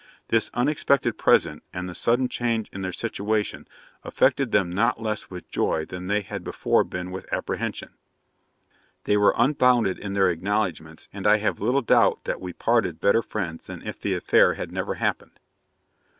This unexpected present, and the sudden change in their situation, affected them not less with joy than they had before been with apprehension. They were unbounded in their acknowledgements; and I have little doubt but that we parted better friends than if the affair had never happened.'